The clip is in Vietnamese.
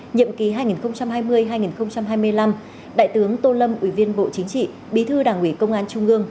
nhiệm ký hai nghìn hai mươi hai nghìn hai mươi năm đại tướng tô lâm ủy viên bộ chính trị bí thư đảng ủy công an trung ương